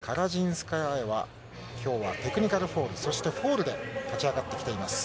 カラジンスカヤはきょうはテクニカルフォール、そしてフォールで勝ち上がってきています。